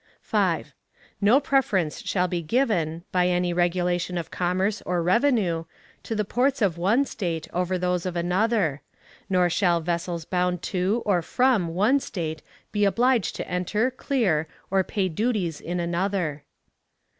5. No preference shall be given, by any regulation of commerce or revenue, to the ports of one State over those of another; nor shall vessels bound to or from one State be obliged to enter, clear, or pay duties in another.